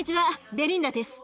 ベリンダです。